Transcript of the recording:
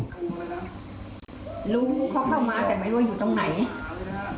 รู้เขาเข้ามาแต่ไม่รู้ว่าอยู่ตรงไหน